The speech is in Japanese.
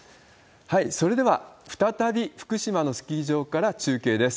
それでは、再び福島のスキー場から中継です。